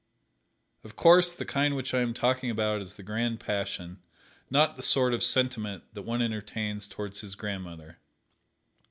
Of course the kind which I am talking about is the Grand Passion, not the sort of sentiment that one entertains towards his grandmother.